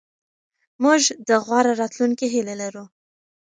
موږ د غوره راتلونکي هیله لرو.